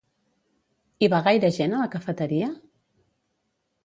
Hi va gaire gent a la cafeteria?